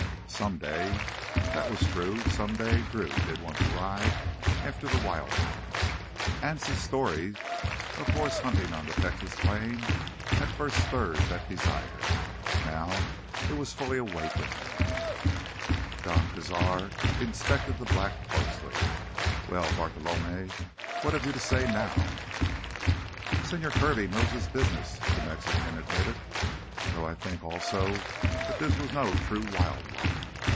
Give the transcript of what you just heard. "Someday—" That was true. Someday Drew did want to ride after the wild ones. Anse's stories of horse hunting on the Texas plains had first stirred that desire. Now it was fully awake in him. Don Cazar inspected the black closely. "Well, Bartolomé, what have you to say now?" "Señor Kirby knows his business," the Mexican admitted. "Though I think also that this was no true wild one.